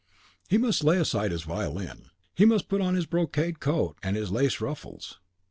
He must lay aside his violin; he must put on his brocade coat and his lace ruffles.